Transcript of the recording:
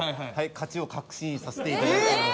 勝ちを確信させていただいております。